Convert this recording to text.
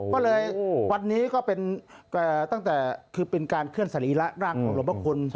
ก็เลยวันนี้ก็เป็นตั้งแต่คือเป็นการเคลื่อนสรีระร่างของหลวงพระคุณ